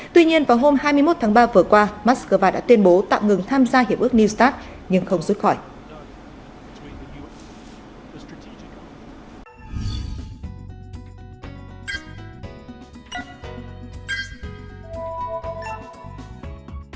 tuy nhiên vào hôm hai mươi một tháng ba vừa qua moscow đã tuyên bố tạm ngừng tham gia hiệp ước new start nhưng không rút khỏi